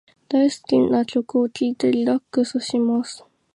大好きな曲を聞いてリラックスします。